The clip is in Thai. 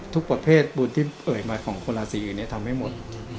ประเภทบุญที่เอ่ยมาของคนราศีอื่นทำให้หมด